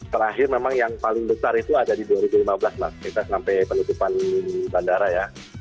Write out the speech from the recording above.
terakhir memang yang paling besar itu ada di dua ribu lima belas mas kita sampai penutupan bandara ya